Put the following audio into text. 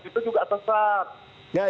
itu juga tepat